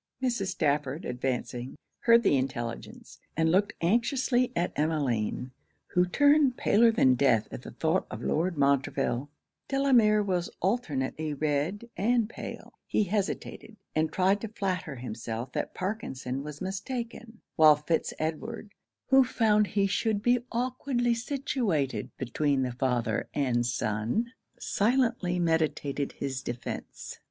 Mrs. Stafford advancing, heard the intelligence, and looked anxiously at Emmeline, who turned paler than death at the thoughts of Lord Montreville. Delamere was alternately red and pale. He hesitated, and tried to flatter himself that Parkinson was mistaken; while Fitz Edward, who found he should be awkwardly situated between the father and son, silently meditated his defence.